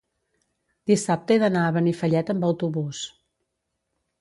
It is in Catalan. dissabte he d'anar a Benifallet amb autobús.